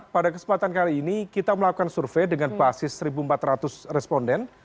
pada kesempatan kali ini kita melakukan survei dengan basis satu empat ratus responden